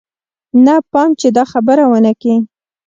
نه پام چې دا خبره ونه کې.